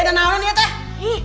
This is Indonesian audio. dengar ini ya teh